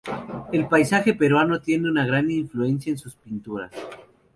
El paisaje peruano tiene gran influencia en sus pinturas.